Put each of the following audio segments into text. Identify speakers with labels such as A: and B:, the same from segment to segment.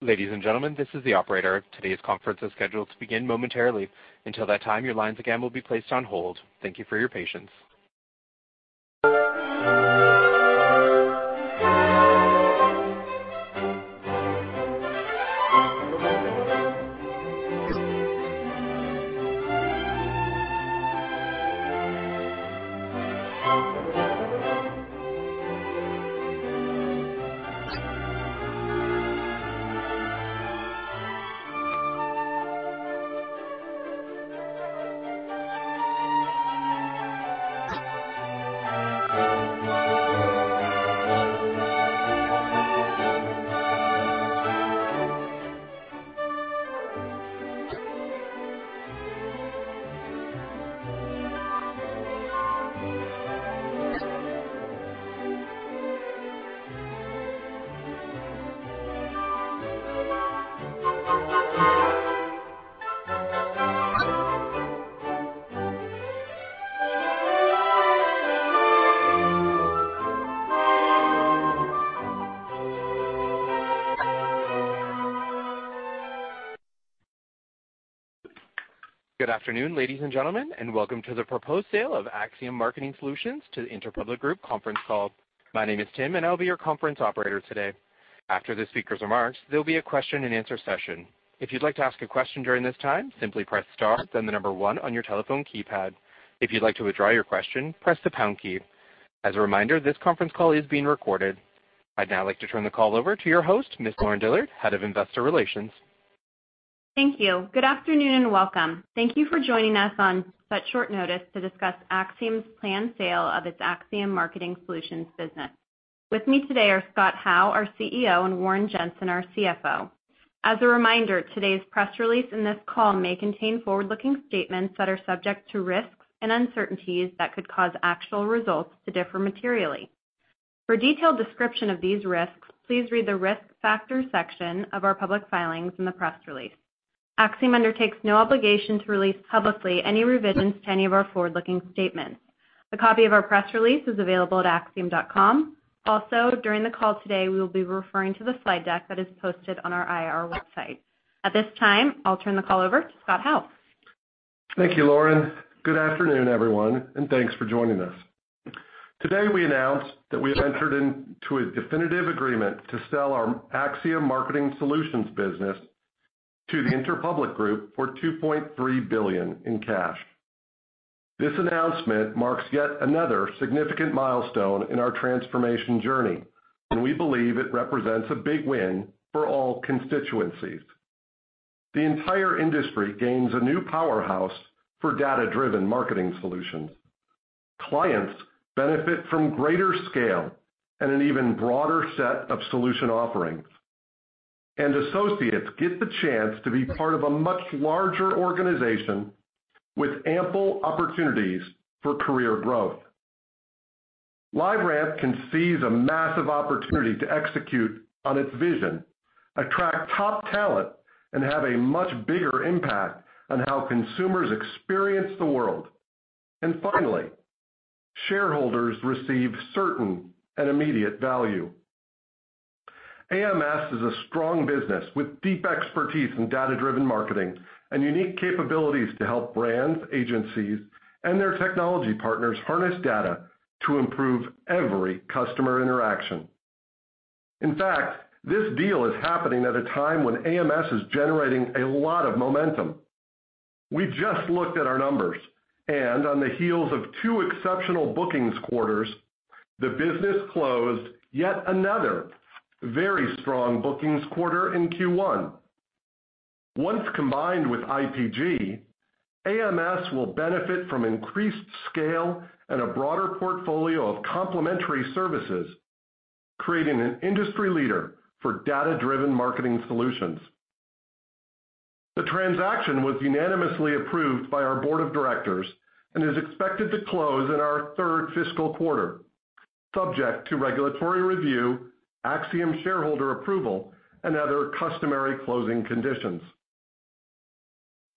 A: Ladies and gentlemen, this is the operator. Today's conference is scheduled to begin momentarily. Until that time, your lines again will be placed on hold. Thank you for your patience. Good afternoon, ladies and gentlemen, and welcome to the proposed sale of Acxiom Marketing Solutions to the Interpublic Group conference call. My name is Tim, and I'll be your conference operator today. After the speaker's remarks, there'll be a question-and-answer session. If you'd like to ask a question during this time, simply press star and then the number one on your telephone keypad. If you'd like to withdraw your question, press the pound key. As a reminder, this conference call is being recorded. I'd now like to turn the call over to your host, Ms. Lauren Dillard, head of investor relations.
B: Thank you. Good afternoon and welcome. Thank you for joining us on such short notice to discuss Acxiom's planned sale of its Acxiom Marketing Solutions business. With me today are Scott Howe, our CEO, and Warren Jenson, our CFO. As a reminder, today's press release and this call may contain forward-looking statements that are subject to risks and uncertainties that could cause actual results to differ materially. For a detailed description of these risks, please read the risk factor section of our public filings in the press release. Acxiom undertakes no obligation to release publicly any revisions to any of our forward-looking statements. A copy of our press release is available at acxiom.com. Also, during the call today, we will be referring to the slide deck that is posted on our IR website. At this time, I'll turn the call over to Scott Howe.
C: Thank you, Lauren. Good afternoon, everyone, and thanks for joining us. Today, we announce that we have entered into a definitive agreement to sell our Acxiom Marketing Solutions business to the Interpublic Group for $2.3 billion in cash. This announcement marks yet another significant milestone in our transformation journey, and we believe it represents a big win for all constituencies. The entire industry gains a new powerhouse for data-driven marketing solutions. Clients benefit from greater scale and an even broader set of solution offerings, and associates get the chance to be part of a much larger organization with ample opportunities for career growth. LiveRamp can seize a massive opportunity to execute on its vision, attract top talent, and have a much bigger impact on how consumers experience the world. Finally, shareholders receive certain and immediate value. AMS is a strong business with deep expertise in data-driven marketing and unique capabilities to help brands, agencies, and their technology partners harness data to improve every customer interaction. In fact, this deal is happening at a time when AMS is generating a lot of momentum. We just looked at our numbers, and on the heels of two exceptional bookings quarters, the business closed yet another very strong bookings quarter in Q1. Once combined with IPG, AMS will benefit from increased scale and a broader portfolio of complementary services, creating an industry leader for data-driven marketing solutions. The transaction was unanimously approved by our board of directors and is expected to close in our third fiscal quarter, subject to regulatory review, Acxiom shareholder approval, and other customary closing conditions.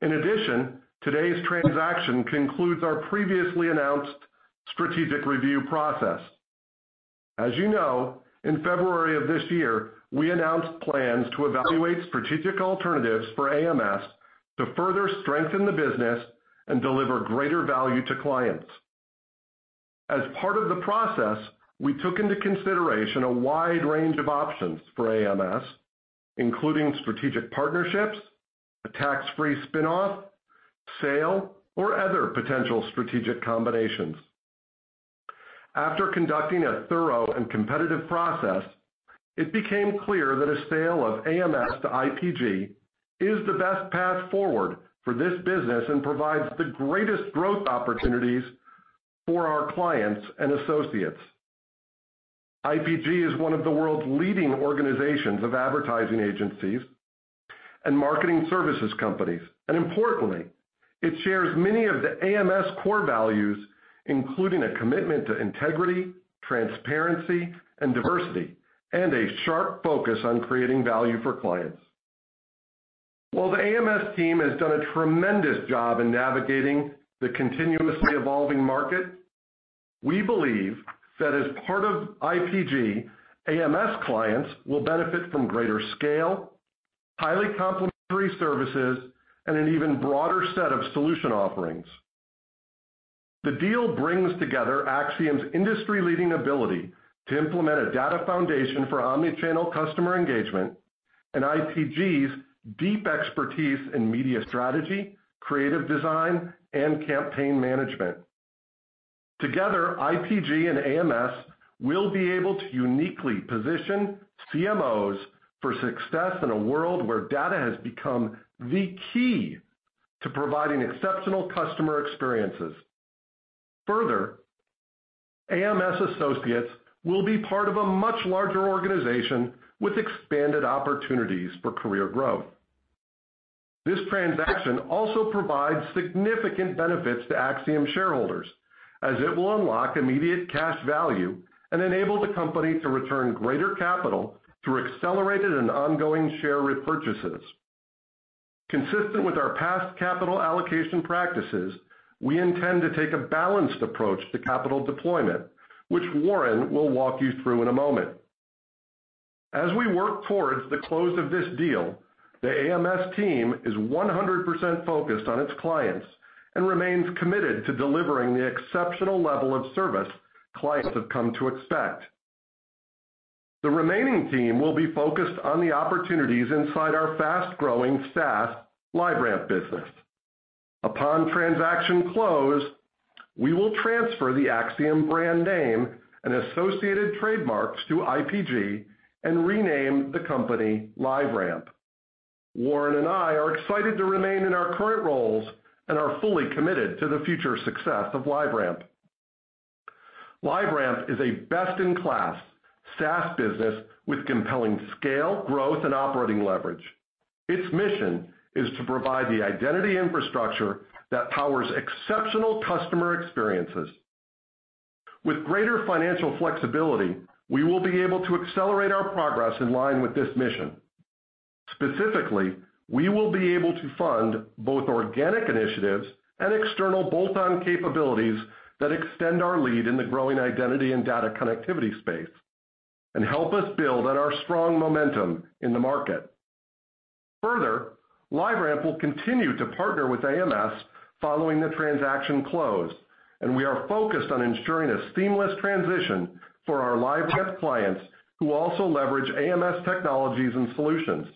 C: In addition, today's transaction concludes our previously announced strategic review process. As you know, in February of this year, we announced plans to evaluate strategic alternatives for AMS to further strengthen the business and deliver greater value to clients. As part of the process, we took into consideration a wide range of options for AMS, including strategic partnerships, a tax-free spinoff, sale, or other potential strategic combinations. After conducting a thorough and competitive process, it became clear that a sale of AMS to IPG is the best path forward for this business and provides the greatest growth opportunities for our clients and associates. IPG is one of the world's leading organizations of advertising agencies and marketing services companies, and importantly, it shares many of the AMS core values, including a commitment to integrity, transparency, and diversity, and a sharp focus on creating value for clients. While the AMS team has done a tremendous job in navigating the continuously evolving market, we believe that as part of IPG, AMS clients will benefit from greater scale, highly complementary services, and an even broader set of solution offerings. The deal brings together Acxiom's industry-leading ability to implement a data foundation for omnichannel customer engagement and IPG's deep expertise in media strategy, creative design, and campaign management. Together, IPG and AMS will be able to uniquely position CMOs for success in a world where data has become the key to providing exceptional customer experiences. Further, AMS associates will be part of a much larger organization with expanded opportunities for career growth. This transaction also provides significant benefits to Acxiom shareholders, as it will unlock immediate cash value and enable the company to return greater capital through accelerated and ongoing share repurchases. Consistent with our past capital allocation practices, we intend to take a balanced approach to capital deployment, which Warren will walk you through in a moment. As we work towards the close of this deal, the AMS team is 100% focused on its clients and remains committed to delivering the exceptional level of service clients have come to expect. The remaining team will be focused on the opportunities inside our fast-growing SaaS LiveRamp business. Upon transaction close, we will transfer the Acxiom brand name and associated trademarks to IPG and rename the company LiveRamp. Warren and I are excited to remain in our current roles and are fully committed to the future success of LiveRamp. LiveRamp is a best-in-class SaaS business with compelling scale, growth, and operating leverage. Its mission is to provide the identity infrastructure that powers exceptional customer experiences. With greater financial flexibility, we will be able to accelerate our progress in line with this mission. Specifically, we will be able to fund both organic initiatives and external bolt-on capabilities that extend our lead in the growing identity and data connectivity space and help us build on our strong momentum in the market. Further, LiveRamp will continue to partner with AMS following the transaction close, and we are focused on ensuring a seamless transition for our LiveRamp clients who also leverage AMS technologies and solutions.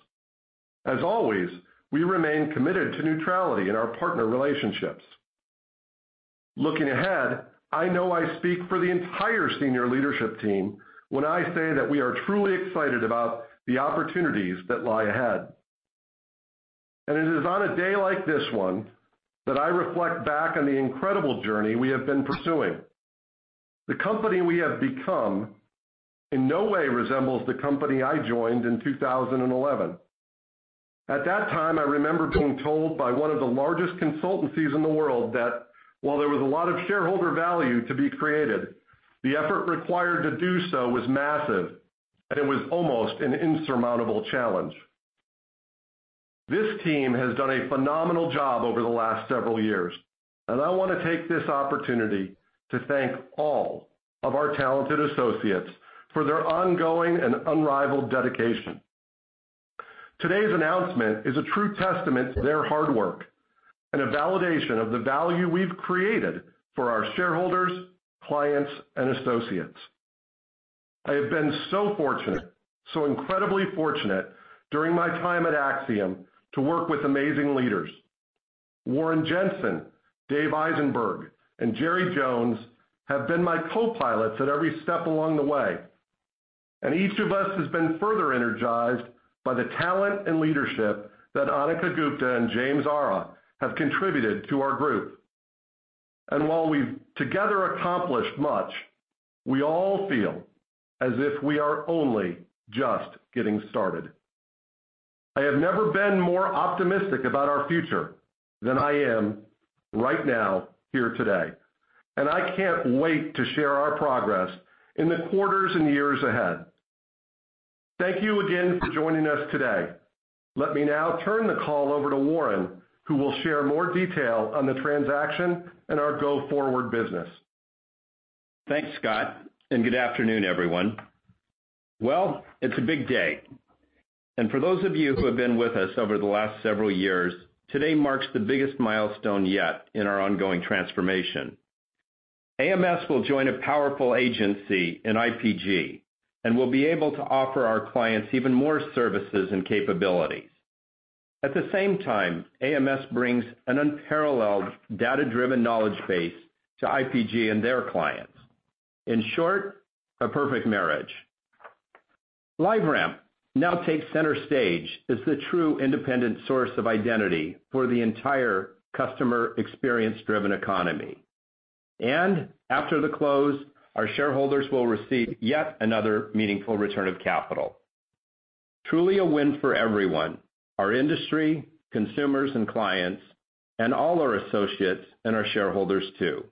C: As always, we remain committed to neutrality in our partner relationships. Looking ahead, I know I speak for the entire senior leadership team when I say that we are truly excited about the opportunities that lie ahead, and it is on a day like this one that I reflect back on the incredible journey we have been pursuing. The company we have become in no way resembles the company I joined in 2011. At that time, I remember being told by one of the largest consultancies in the world that while there was a lot of shareholder value to be created, the effort required to do so was massive, and it was almost an insurmountable challenge. This team has done a phenomenal job over the last several years, and I want to take this opportunity to thank all of our talented associates for their ongoing and unrivaled dedication. Today's announcement is a true testament to their hard work and a validation of the value we've created for our shareholders, clients, and associates. I have been so fortunate, so incredibly fortunate during my time at Acxiom to work with amazing leaders. Warren Jenson, Dave Eisenberg, and Jerry Jones have been my co-pilots at every step along the way, and each of us has been further energized by the talent and leadership that Anneka Gupta and James Arra have contributed to our group. While we've together accomplished much, we all feel as if we are only just getting started. I have never been more optimistic about our future than I am right now here today, and I can't wait to share our progress in the quarters and years ahead. Thank you again for joining us today. Let me now turn the call over to Warren, who will share more detail on the transaction and our go-forward business.
D: Thanks, Scott, and good afternoon, everyone. Well, it's a big day. And for those of you who have been with us over the last several years, today marks the biggest milestone yet in our ongoing transformation. AMS will join a powerful agency in IPG and will be able to offer our clients even more services and capabilities. At the same time, AMS brings an unparalleled data-driven knowledge base to IPG and their clients. In short, a perfect marriage. LiveRamp now takes center stage as the true independent source of identity for the entire customer experience-driven economy. And after the close, our shareholders will receive yet another meaningful return of capital. Truly a win for everyone: our industry, consumers, and clients, and all our associates and our shareholders too.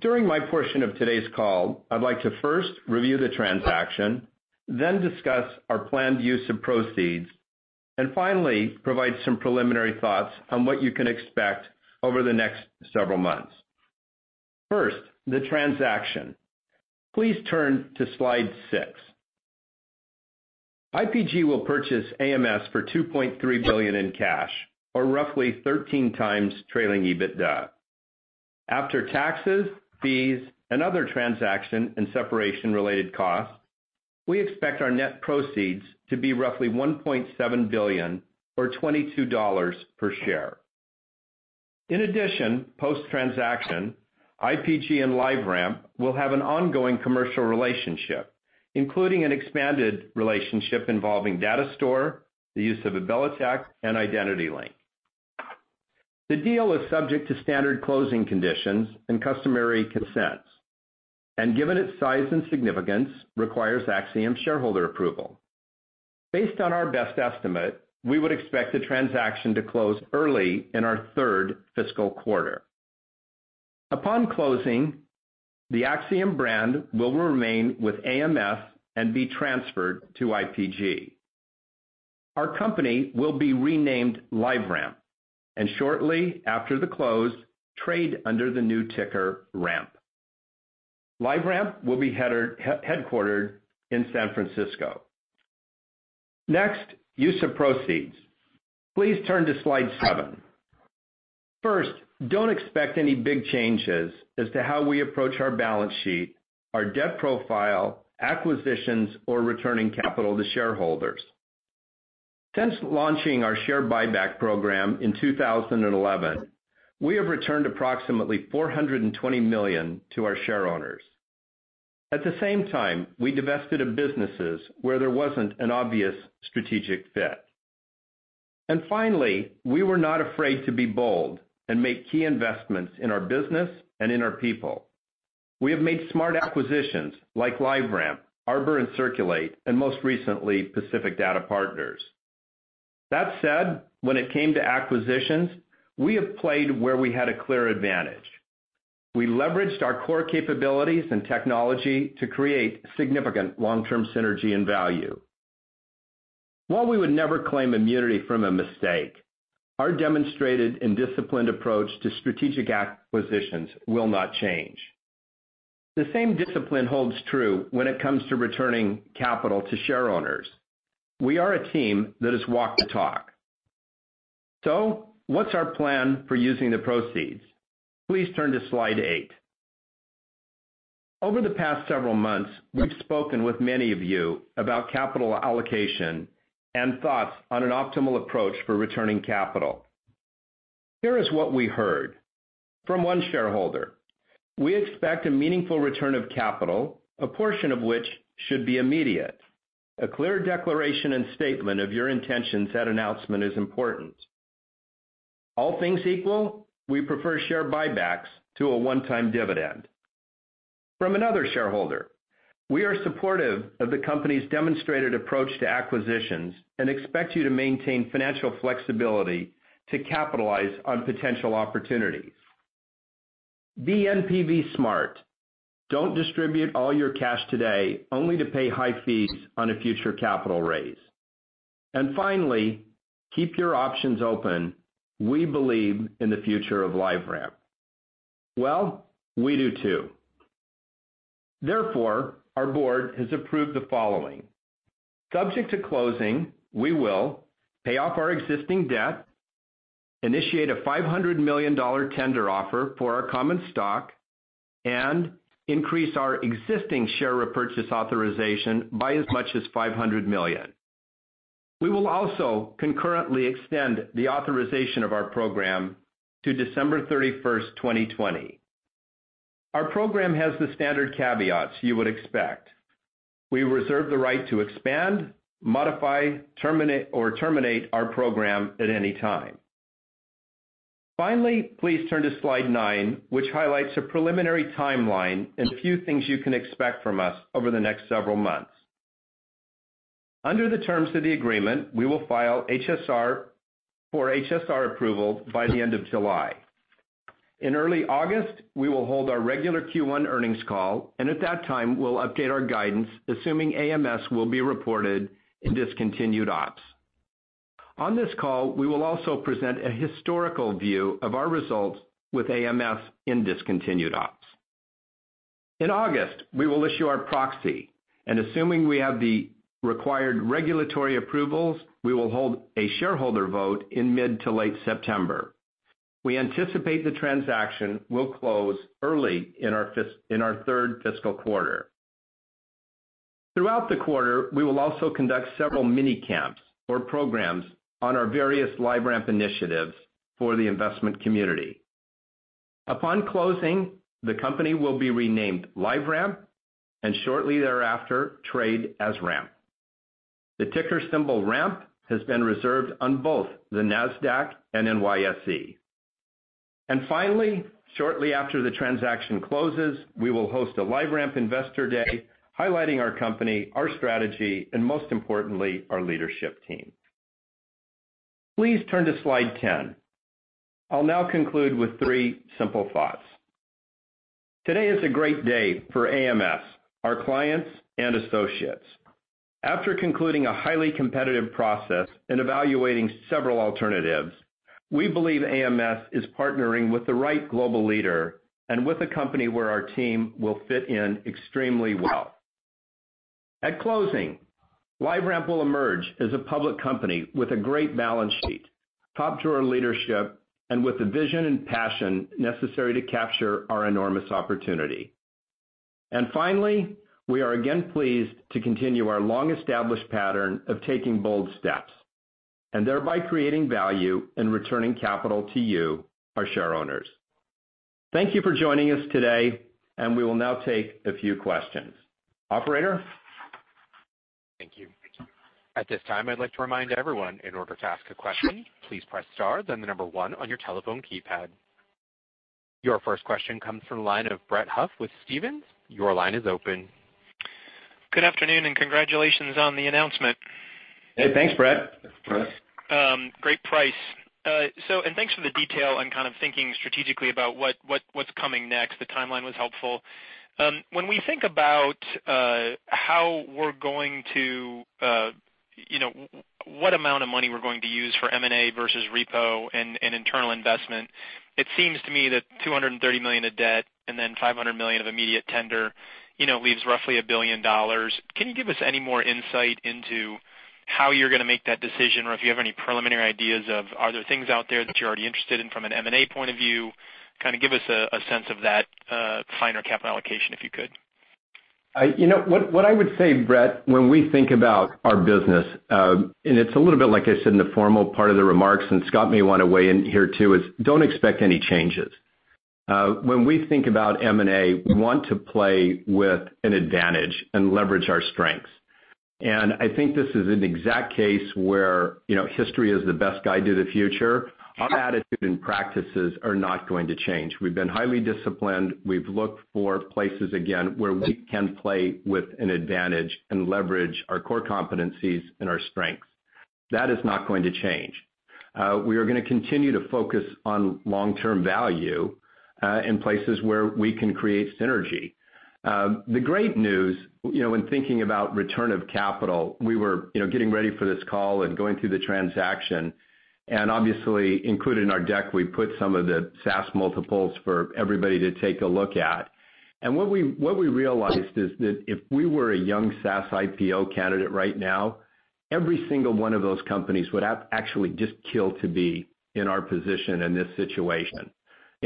D: During my portion of today's call, I'd like to first review the transaction, then discuss our planned use of proceeds, and finally provide some preliminary thoughts on what you can expect over the next several months. First, the transaction. Please turn to slide six. IPG will purchase AMS for $2.3 billion in cash, or roughly 13x trailing EBITDA. After taxes, fees, and other transaction and separation-related costs, we expect our net proceeds to be roughly $1.7 billion, or $22 per share. In addition, post-transaction, IPG and LiveRamp will have an ongoing commercial relationship, including an expanded relationship involving Data Store, the use of AbiliTec, and IdentityLink. The deal is subject to standard closing conditions and customary consents, and given its size and significance, requires Acxiom shareholder approval. Based on our best estimate, we would expect the transaction to close early in our third fiscal quarter. Upon closing, the Acxiom brand will remain with AMS and be transferred to IPG. Our company will be renamed LiveRamp, and shortly after the close, trade under the new ticker RAMP. LiveRamp will be headquartered in San Francisco. Next, use of proceeds. Please turn to Slide seven. First, don't expect any big changes as to how we approach our balance sheet, our debt profile, acquisitions, or returning capital to shareholders. Since launching our share buyback program in 2011, we have returned approximately $420 million to our shareholders. At the same time, we divested of businesses where there wasn't an obvious strategic fit, and finally, we were not afraid to be bold and make key investments in our business and in our people. We have made smart acquisitions like LiveRamp, Arbor & Circulate, and most recently, Pacific Data Partners. That said, when it came to acquisitions, we have played where we had a clear advantage. We leveraged our core capabilities and technology to create significant long-term synergy and value. While we would never claim immunity from a mistake, our demonstrated and disciplined approach to strategic acquisitions will not change. The same discipline holds true when it comes to returning capital to shareholders. We are a team that has walked the talk. So what's our plan for using the proceeds? Please turn to Slide eight. Over the past several months, we've spoken with many of you about capital allocation and thoughts on an optimal approach for returning capital. Here is what we heard from one shareholder. We expect a meaningful return of capital, a portion of which should be immediate. A clear declaration and statement of your intentions at announcement is important. All things equal, we prefer share buybacks to a one-time dividend. From another shareholder, we are supportive of the company's demonstrated approach to acquisitions and expect you to maintain financial flexibility to capitalize on potential opportunities. Be NPV smart. Don't distribute all your cash today only to pay high fees on a future capital raise. And finally, keep your options open. We believe in the future of LiveRamp. Well, we do too. Therefore, our board has approved the following. Subject to closing, we will pay off our existing debt, initiate a $500 million tender offer for our common stock, and increase our existing share repurchase authorization by as much as $500 million. We will also concurrently extend the authorization of our program to December 31st, 2020. Our program has the standard caveats you would expect. We reserve the right to expand, modify, terminate, or terminate our program at any time. Finally, please turn to slide nine, which highlights a preliminary timeline and a few things you can expect from us over the next several months. Under the terms of the agreement, we will file HSR for HSR approval by the end of July. In early August, we will hold our regular Q1 earnings call, and at that time, we'll update our guidance assuming AMS will be reported in discontinued ops. On this call, we will also present a historical view of our results with AMS in discontinued ops. In August, we will issue our proxy, and assuming we have the required regulatory approvals, we will hold a shareholder vote in mid-to-late September. We anticipate the transaction will close early in our third fiscal quarter. Throughout the quarter, we will also conduct several mini camps or programs on our various LiveRamp initiatives for the investment community. Upon closing, the company will be renamed LiveRamp, and shortly thereafter, trade as RAMP. The ticker symbol RAMP has been reserved on both the NASDAQ and NYSE. And finally, shortly after the transaction closes, we will host a LiveRamp Investor Day highlighting our company, our strategy, and most importantly, our leadership team. Please turn to Slide 10. I'll now conclude with three simple thoughts. Today is a great day for AMS, our clients, and associates. After concluding a highly competitive process and evaluating several alternatives, we believe AMS is partnering with the right global leader and with a company where our team will fit in extremely well. At closing, LiveRamp will emerge as a public company with a great balance sheet, top-drawer leadership, and with the vision and passion necessary to capture our enormous opportunity. Finally, we are again pleased to continue our long-established pattern of taking bold steps and thereby creating value and returning capital to you, our shareholders. Thank you for joining us today, and we will now take a few questions. Operator?
A: Thank you. At this time, I'd like to remind everyone in order to ask a question, please press star, then the number one on your telephone keypad. Your first question comes from the line of Brett Huff with Stephens. Your line is open.
E: Good afternoon, and congratulations on the announcement.
D: Hey, thanks, Brett.
E: Great price, and thanks for the detail on kind of thinking strategically about what's coming next. The timeline was helpful. When we think about how we're going to what amount of money we're going to use for M&A versus repo and internal investment, it seems to me that $230 million of debt and then $500 million of immediate tender leaves roughly $1 billion. Can you give us any more insight into how you're going to make that decision, or if you have any preliminary ideas of are there things out there that you're already interested in from an M&A point of view? Kind of give us a sense of that finer cap allocation if you could.
D: What I would say, Brett, when we think about our business, and it's a little bit like I said in the formal part of the remarks, and Scott may want to weigh in here too, is don't expect any changes. When we think about M&A, we want to play with an advantage and leverage our strengths. And I think this is an exact case where history is the best guide to the future. Our attitude and practices are not going to change. We've been highly disciplined. We've looked for places again where we can play with an advantage and leverage our core competencies and our strengths. That is not going to change. We are going to continue to focus on long-term value in places where we can create synergy. The great news, when thinking about return of capital, we were getting ready for this call and going through the transaction, and obviously included in our deck, we put some of the SaaS multiples for everybody to take a look at, and what we realized is that if we were a young SaaS IPO candidate right now, every single one of those companies would actually just kill to be in our position in this situation.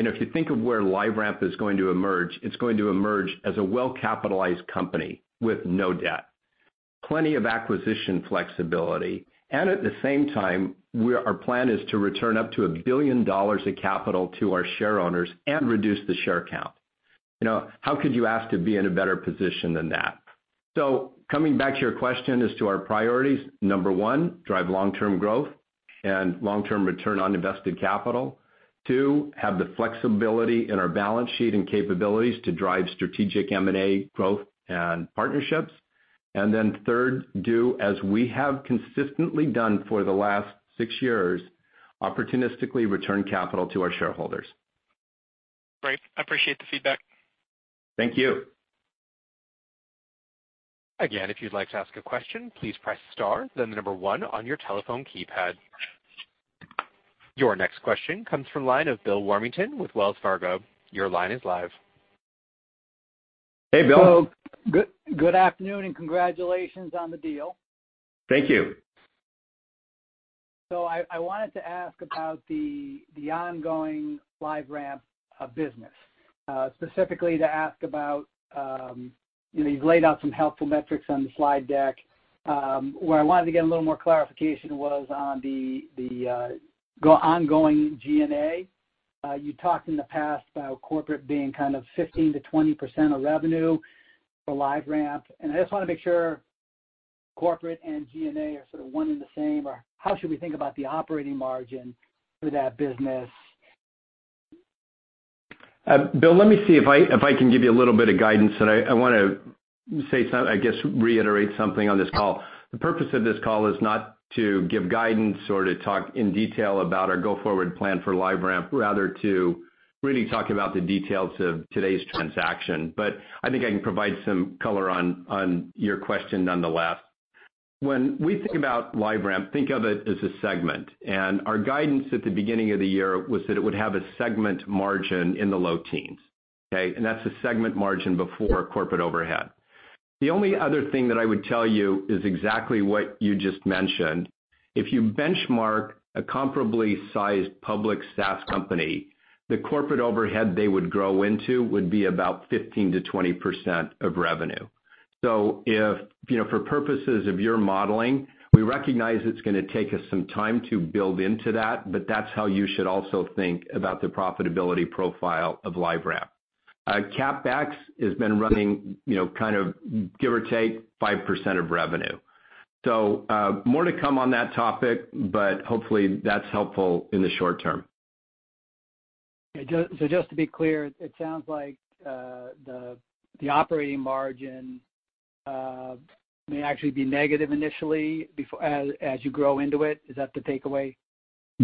D: If you think of where LiveRamp is going to emerge, it's going to emerge as a well-capitalized company with no debt, plenty of acquisition flexibility. At the same time, our plan is to return up to $1 billion of capital to our share owners and reduce the share count. How could you ask to be in a better position than that? So coming back to your question as to our priorities, number one, drive long-term growth and long-term return on invested capital. Two, have the flexibility in our balance sheet and capabilities to drive strategic M&A growth and partnerships. And then third, do as we have consistently done for the last six years, opportunistically return capital to our shareholders.
E: Great. I appreciate the feedback.
D: Thank you.
A: Again, if you'd like to ask a question, please press star, then the number one on your telephone keypad. Your next question comes from the line of Bill Warmington with Wells Fargo. Your line is live.
D: Hey, Bill.
F: Good afternoon and congratulations on the deal.
D: Thank you.
F: So I wanted to ask about the ongoing LiveRamp business, specifically to ask about you've laid out some helpful metrics on the slide deck. Where I wanted to get a little more clarification was on the ongoing G&A. You talked in the past about corporate being kind of 15%-20% of revenue for LiveRamp. And I just want to make sure corporate and G&A are sort of one and the same, or how should we think about the operating margin for that business?
D: Bill, let me see if I can give you a little bit of guidance. And I want to say, I guess, reiterate something on this call. The purpose of this call is not to give guidance or to talk in detail about our go-forward plan for LiveRamp, rather to really talk about the details of today's transaction. But I think I can provide some color on your question nonetheless. When we think about LiveRamp, think of it as a segment. And our guidance at the beginning of the year was that it would have a segment margin in the low teens. Okay? And that's a segment margin before corporate overhead. The only other thing that I would tell you is exactly what you just mentioned. If you benchmark a comparably sized public SaaS company, the corporate overhead they would grow into would be about 15%-20% of revenue. So for purposes of your modeling, we recognize it's going to take us some time to build into that, but that's how you should also think about the profitability profile of LiveRamp. CapEx has been running kind of, give or take, 5% of revenue. So more to come on that topic, but hopefully that's helpful in the short term.
F: So just to be clear, it sounds like the operating margin may actually be negative initially as you grow into it. Is that the takeaway?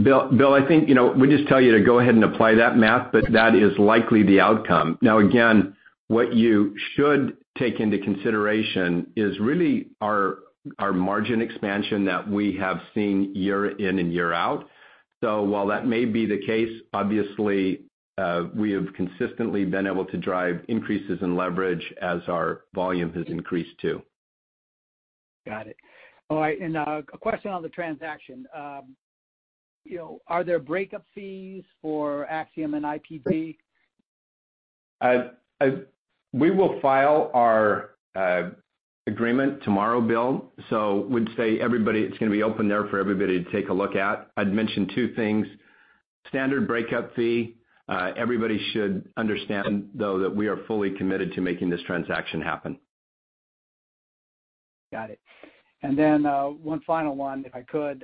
D: Bill, I think we just tell you to go ahead and apply that math, but that is likely the outcome. Now, again, what you should take into consideration is really our margin expansion that we have seen year in and year out. While that may be the case, obviously, we have consistently been able to drive increases in leverage as our volume has increased too.
F: Got it. All right, and a question on the transaction. Are there breakup fees for Acxiom and IPG?
D: We will file our agreement tomorrow, Bill. So we'd say it's going to be open there for everybody to take a look at. I'd mention two things. Standard breakup fee. Everybody should understand, though, that we are fully committed to making this transaction happen.
F: Got it. And then one final one, if I could.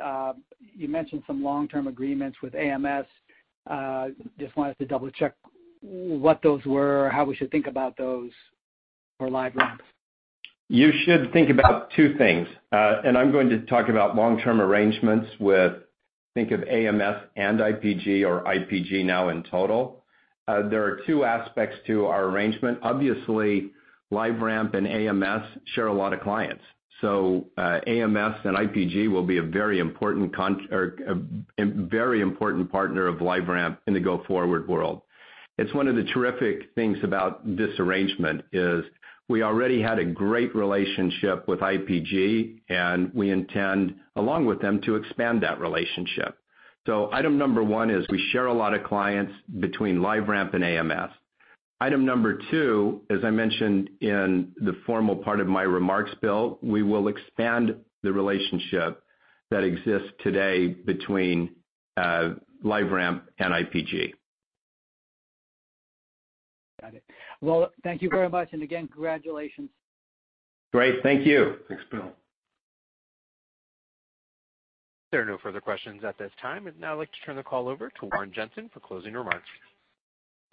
F: You mentioned some long-term agreements with AMS. Just wanted to double-check what those were or how we should think about those for LiveRamp.
D: You should think about two things. And I'm going to talk about long-term arrangements with, think of AMS and IPG or IPG now in total. There are two aspects to our arrangement. Obviously, LiveRamp and AMS share a lot of clients. So AMS and IPG will be a very important partner of LiveRamp in the go-forward world. It's one of the terrific things about this arrangement is we already had a great relationship with IPG, and we intend, along with them, to expand that relationship. So item number one is we share a lot of clients between LiveRamp and AMS. Item number two, as I mentioned in the formal part of my remarks, Bill, we will expand the relationship that exists today between LiveRamp and IPG.
F: Got it. Well, thank you very much, and again, congratulations.
D: Great. Thank you.
A: Thanks, Bill. There are no further questions at this time. And now I'd like to turn the call over to Warren Jenson for closing remarks.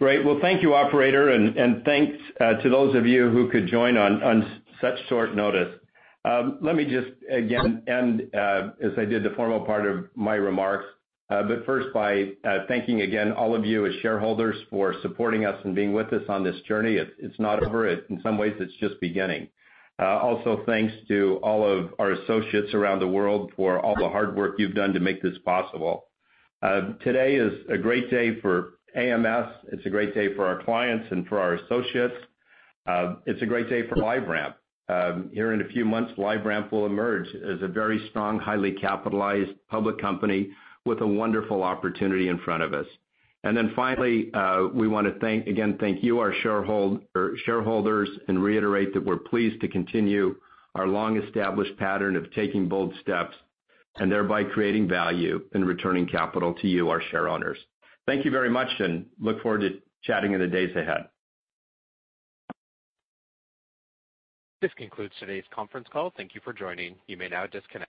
D: Great. Well, thank you, Operator, and thanks to those of you who could join on such short notice. Let me just again end as I did the formal part of my remarks, but first by thanking again all of you as shareholders for supporting us and being with us on this journey. It's not over. In some ways, it's just beginning. Also, thanks to all of our associates around the world for all the hard work you've done to make this possible. Today is a great day for AMS. It's a great day for our clients and for our associates. It's a great day for LiveRamp. Here in a few months, LiveRamp will emerge as a very strong, highly capitalized public company with a wonderful opportunity in front of us. And then finally, we want to again thank you, our shareholders, and reiterate that we're pleased to continue our long-established pattern of taking bold steps and thereby creating value and returning capital to you, our shareholders. Thank you very much, and look forward to chatting in the days ahead.
A: This concludes today's conference call. Thank you for joining. You may now disconnect.